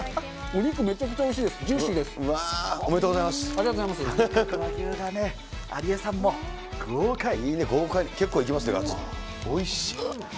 お肉めちゃくちゃおいしいです。